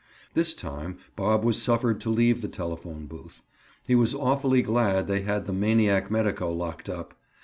This time Bob was suffered to leave the telephone booth. He was awfully glad they had the maniac medico locked up.